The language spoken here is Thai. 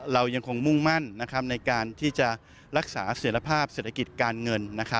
เรายังคงมุ่งมั่นในการที่จะรักษาเสร็จภาพเศรษฐกิจการเงิน